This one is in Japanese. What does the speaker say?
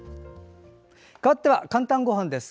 かわって「かんたんごはん」です。